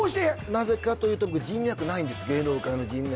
なぜかというと人脈ないんです芸能界の人脈